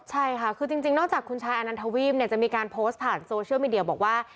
ใช่ค่ะคือจริงนอกจากคุณชายอนันทวีปเนี่ยจะมีการโพสต์ผ่านโซเชียลมีเดียบอกว่า